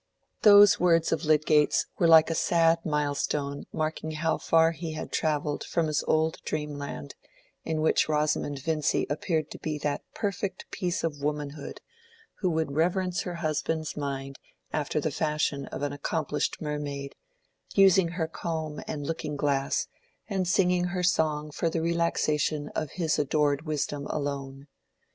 Those words of Lydgate's were like a sad milestone marking how far he had travelled from his old dreamland, in which Rosamond Vincy appeared to be that perfect piece of womanhood who would reverence her husband's mind after the fashion of an accomplished mermaid, using her comb and looking glass and singing her song for the relaxation of his adored wisdom alone.